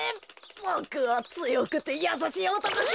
ボクはつよくてやさしいおとこさ。